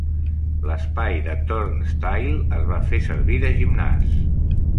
L'espai de Turn Style es va fer servir de gimnàs.